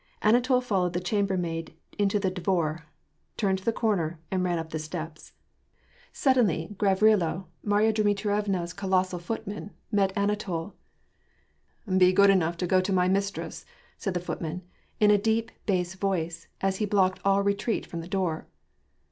Anatol followed the chambermaid into the dvor, turned the corner, and ran up the steps. WAR AXD PEACS. STo Suddenlj Garrilo, Maiya DmitrieTna's colossal footman, met AnatoL " Be good enough to go to my mistress, said tlie footman, in a deep, bass Toice, as he blocked all retreat from the door.